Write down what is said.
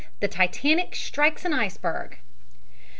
THE TITANIC STRIKES AN ICEBERG!